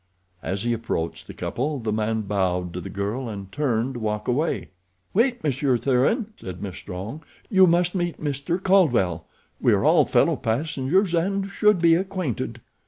As he approached the couple the man bowed to the girl and turned to walk away. "Wait, Monsieur Thuran," said Miss Strong; "you must meet Mr. Caldwell. We are all fellow passengers, and should be acquainted."